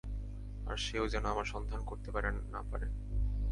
আর সেও যেনো আমার সন্ধান করতে না পারে।